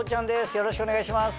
よろしくお願いします。